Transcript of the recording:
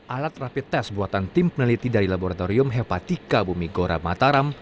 alat rapi tes buatan tim peneliti dari laboratorium hepatika bumi gora mataram